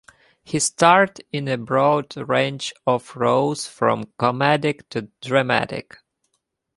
He starred in a broad range of roles from comedic to dramatic.